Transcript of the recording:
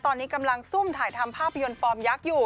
ตอนนี้กำลังซุ่มถ่ายทำภาพยนตร์ฟอร์มยักษ์อยู่